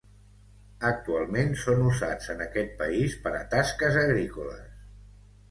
Actualment, són usats en aquest país per a tasques agrícoles.